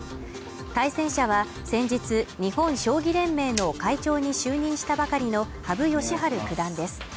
対戦者は先日日本将棋連盟の会長に就任したばかりの羽生善治九段です。